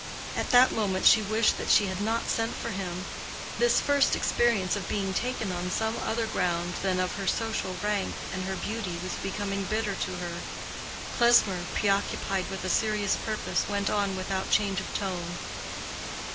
At that moment she wished that she had not sent for him: this first experience of being taken on some other ground than that of her social rank and her beauty was becoming bitter to her. Klesmer, preoccupied with a serious purpose, went on without change of tone.